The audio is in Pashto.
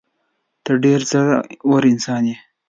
ته ډېر زړه ور انسان یې.